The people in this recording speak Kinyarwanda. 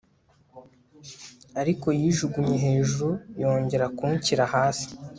ariko yijugunye hejuru yongera kunshyira hasi